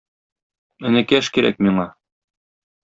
Энекәш кирәк миңа!